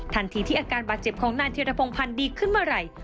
ทันทีที่อาการบาดเจ็บของนายธิรพงพันธ์ดีขึ้นเมื่อไหร่